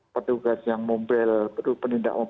petugas yang mobile penindak